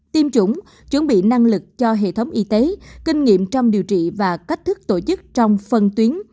tiêm chủng chuẩn bị năng lực cho hệ thống y tế kinh nghiệm trong điều trị và cách thức tổ chức trong phân tuyến